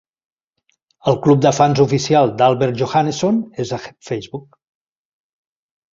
El club de fans oficial d'Albert Johanneson és a Facebook.